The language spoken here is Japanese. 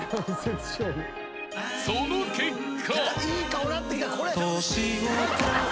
［その結果］